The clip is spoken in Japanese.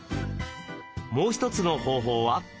もう一つの方法は？